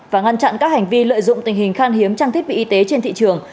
và ngăn chặn các hành vi lợi dụng tình hình khan hiếm trang thiết bị y tế trên thị trường